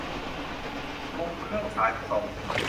วงเครื่องสายผสม